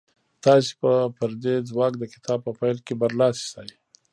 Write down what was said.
تاسې به پر دې ځواک د کتاب په پيل کې برلاسي شئ.